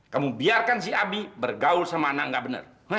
kamu biarkan si abi bergaul sama anak gak benar